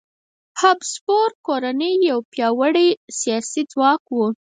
هابسبورګ کورنۍ یو پیاوړی سیاسي ځواک و.